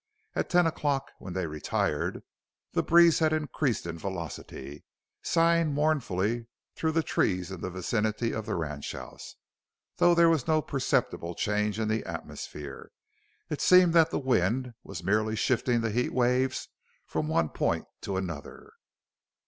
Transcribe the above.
At ten o'clock, when they retired, the breeze had increased in velocity, sighing mournfully through the trees in the vicinity of the ranchhouse, though there was no perceptible change in the atmosphere it seemed that the wind was merely shifting the heat waves from one point to another.